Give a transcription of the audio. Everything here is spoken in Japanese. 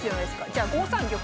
じゃあ５三玉。